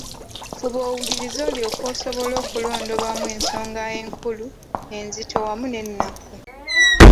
Fuba owulirize olyoke osobole okulondobamu ensonga enkulu, enzito wamu n'ennafu.